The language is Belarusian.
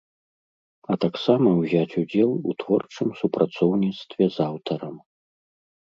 А таксама ўзяць удзел у творчым супрацоўніцтве з аўтарам.